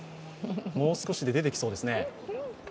もう少しで出てきそうですね。